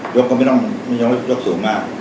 ยกก็ไม่ต้องยกสูงมาก